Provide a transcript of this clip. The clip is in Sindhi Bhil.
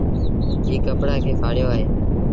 ايٚ ڪپڙآن کي ڦآڙيو آئي۔